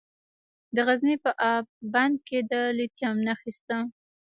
د غزني په اب بند کې د لیتیم نښې شته.